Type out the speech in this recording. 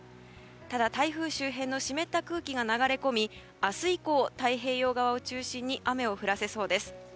ただ、台風周辺の湿った空気が流れ込み明日以降、太平洋側を中心に雨を降らせそうです。